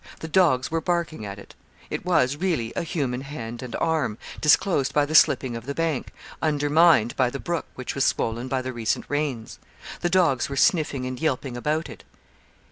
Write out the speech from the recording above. The dogs were barking at it. It was, really, a human hand and arm, disclosed by the slipping of the bank; undermined by the brook, which was swollen by the recent rains. The dogs were sniffing and yelping about it.